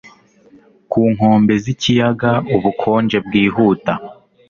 Ku nkombe zikiyaga ubukonje bwihuta